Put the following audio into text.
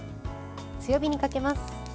強火にかけます。